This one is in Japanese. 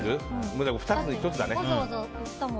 ２つに１つだね。